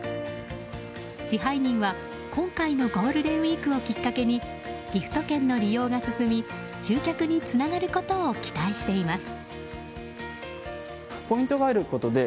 支配人は、今回のゴールデンウィークをきっかけにギフト券の利用が進み集客につながることを期待しています。